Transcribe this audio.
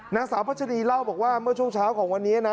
นักศาวิทยาลัยภาษณีย์เล่าบอกว่าเมื่อช่วงเช้าของวันนี้นะ